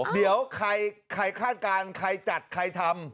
เดี๋ยวใครคาดการณ์ใครจัดใครทำ